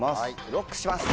ＬＯＣＫします。